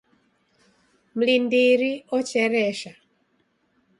Mlindiri ocheresha